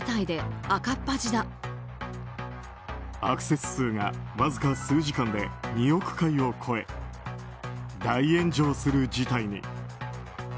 アクセス数がわずか数時間で２億回を超え大炎上する事態に。